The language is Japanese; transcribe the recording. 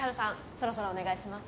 そろそろお願いします